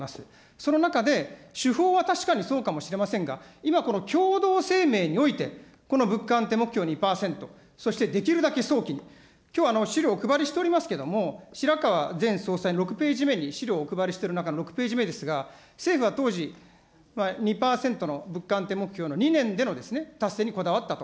その中で、手法は確かにそうかもしれませんが、今、この共同声明において、この物価安定目標２％、そしてできるだけ早期に、きょう、資料をお配りしておりますけれども、しらかわ前総裁の６ページ目に、資料お配りしておる中の６ページ目ですが、政府は当時、２％の物価安定目標の２年での達成にこだわったと。